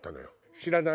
知らない？